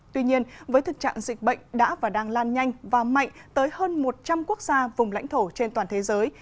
tuy nhiên với thực trạng dịch bệnh đã và đang lan nhanh và mạnh tới hơn một trăm linh quốc gia vùng lãnh thổ trên toàn thế giới